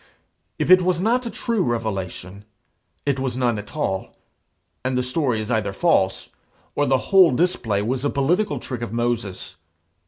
If it was not a true revelation, it was none at all, and the story is either false, or the whole display was a political trick of Moses.